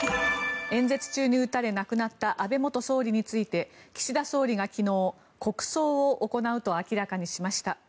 演説中に撃たれ、亡くなった安倍元総理について岸田総理が昨日国葬を行うと明らかにしました。